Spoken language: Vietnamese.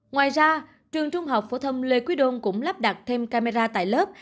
ngoài ra trường trung học phổ thông lê quý đôn cũng lắp đặt thêm camera tại lớp